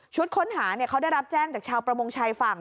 ค้นหาเขาได้รับแจ้งจากชาวประมงชายฝั่ง